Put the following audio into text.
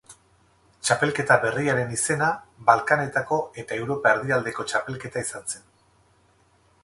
Txapelketa berriaren izena Balkanetako eta Europa Erdialdeko Txapelketa izan zen.